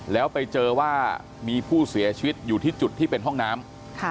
แล้วไปเจอว่ามีผู้เสียชีวิตอยู่ที่จุดที่เป็นห้องน้ำ